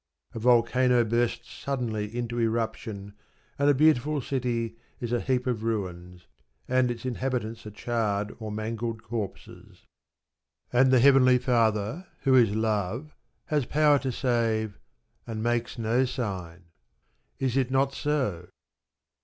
A volcano bursts suddenly into eruption, and a beautiful city is a heap of ruins, and its inhabitants are charred or mangled corpses. And the Heavenly Father, who is Love, has power to save, and makes no sign. Is it not so?